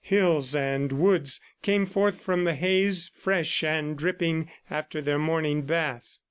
Hills and woods came forth from the haze, fresh and dripping after their morning bath.